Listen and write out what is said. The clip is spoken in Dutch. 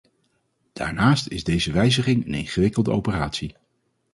Daarnaast is deze wijziging een ingewikkelde operatie.